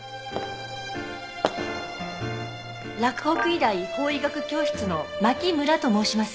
洛北医大法医学教室の牧村と申します。